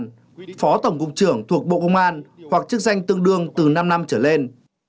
phó tổng cục trưởng thuộc bộ công an hoặc chức danh tương đương từ năm năm trở lên